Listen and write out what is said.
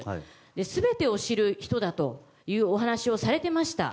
全てを知る人だというお話をされていました。